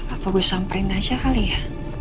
aku gue samperin aja kali ya